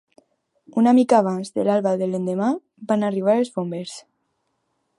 Una mica abans de l'alba de l'endemà, van arribar els bombers.